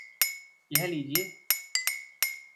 यह लीजीए